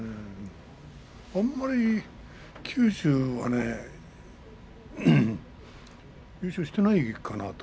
あんまり九州は優勝していないかなと。